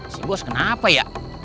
si bos kenapa ya